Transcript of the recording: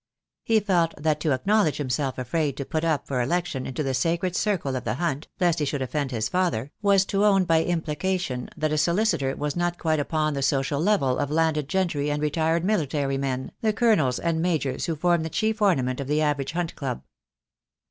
He felt that to acknowledge himself afraid to put up for election into the sacred circle of the Hunt lest he should offend his father, was to own by implication that a soli citor was not quite upon the social level of landed gentry and retired military men, the colonels and majors who form the chief ornament of the average Hunt club.